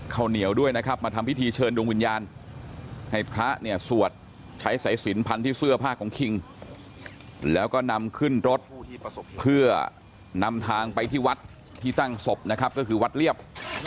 ข้าวเหนียวด้วยนะครับมาทำพิธีเชิญดวงวิญญาณให้พระเนี่ยสวดใช้สายสินพันที่เสื้อผ้าของคิงแล้วก็นำขึ้นรถเพื่อนำทางไปที่วัดที่ตั้งศพนะครับก็คือวัดเรียบ